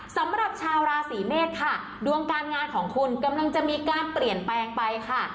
สำหรับชาวราศีเมษค่ะดวงการงานของคุณกำลังจะมีการเปลี่ยนแปลงไปค่ะ